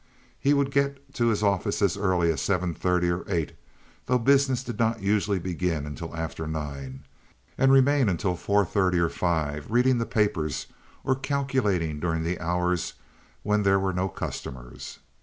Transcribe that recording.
He would get to his office as early as seven thirty or eight, though business did not usually begin until after nine, and remain until four thirty or five, reading the papers or calculating during the hours when there were no customers.